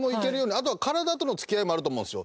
あとは体との付き合いもあると思うんですよ。